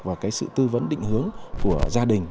vào sự tư vấn định hướng của gia đình